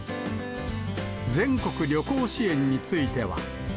全国旅行支援については。